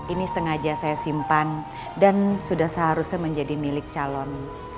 ini sengaja saya simpan dan sudah seharusnya menjadi milik calon